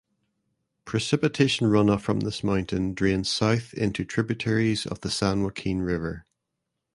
Precipitation runoff from this mountain drains south into tributaries of the San Joaquin River.